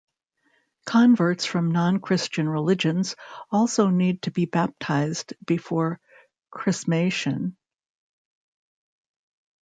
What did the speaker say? Converts from non-Christian religions also need to be baptized before chrismation.